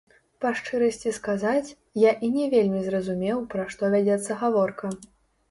Па шчырасці сказаць, я і не вельмі зразумеў, пра што вядзецца гаворка.